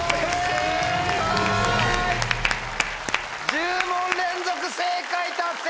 １０問連続正解達成！